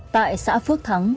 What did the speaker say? tại xã phước thắng